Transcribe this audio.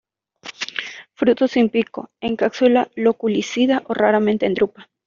Fruto sin pico, en cápsula loculicida o raramente en drupa.